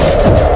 aku sudah menang